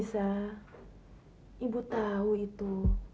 nisa ibu tahu itu